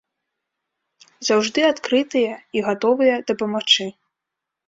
Заўжды адкрытыя і гатовыя дапамагчы.